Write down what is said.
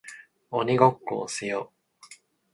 鬼ごっこをしよう